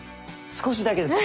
少しだけです。